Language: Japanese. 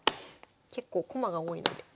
結構駒が多いので。